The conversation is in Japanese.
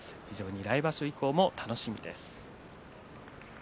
来場所以降も楽しみです。